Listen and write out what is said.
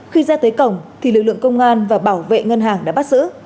khi ra tới cổng thì lực lượng công an và bảo vệ ngân hàng đã bắt giữ